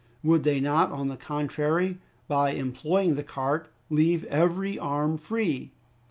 Would they not, on the contrary, by employing the cart leave every arm free?